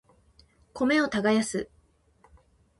米を耕す